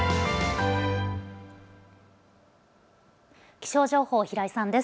気象情報、平井さんです。